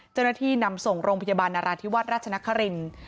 เจ้าหน้าที่นำส่งโรงพยาบาลนาราธิวาสราชนครินฯ